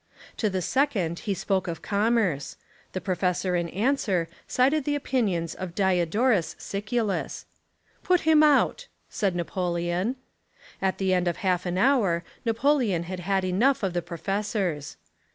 To the second he spoke of commerce. The professor in answer cited the opinions of Diodorus Siculus. "Put him out," said Napoleon. At the end of half an hour Napoleon had had enough of the pro fessors.